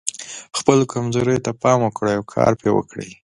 خپلو کمزوریو ته پام وکړئ او کار پرې وکړئ.